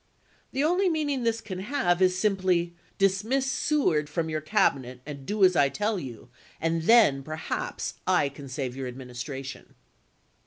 The only meaning this can have is simply, Dismiss Seward from your Cabinet and do as I tell you, and then perhaps I can save your Administra tion.